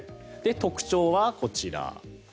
特徴はこちら。